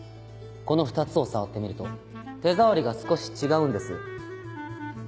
この２つを触ってみると手触りが少し違うんです。